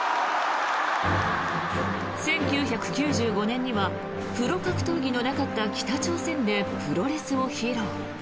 １９９５年にはプロ格闘技のなかった北朝鮮でプロレスを披露。